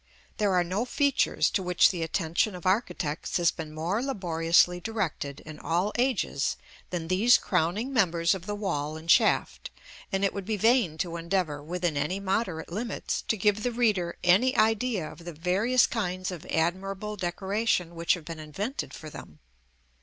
There are no features to which the attention of architects has been more laboriously directed, in all ages, than these crowning members of the wall and shaft; and it would be vain to endeavor, within any moderate limits, to give the reader any idea of the various kinds of admirable decoration which have been invented for them.